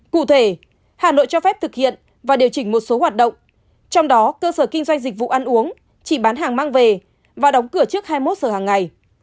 cụ thể hà nội cho phép thực hiện và điều chỉnh một số hoạt động trong đó cơ sở kinh doanh dịch vụ ăn uống chỉ bán hàng mang về và đóng cửa trước hai mươi một giờ hàng ngày